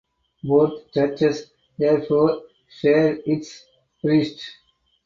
Both churches therefore shared its priest.